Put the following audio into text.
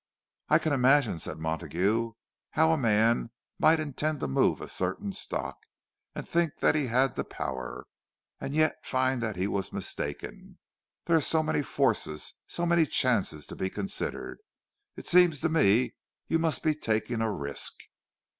"I can imagine," said Montague, "how a man might intend to move a certain stock, and think that he had the power, and yet find that he was mistaken. There are so many forces, so many chances to be considered—it seems to me you must be taking a risk."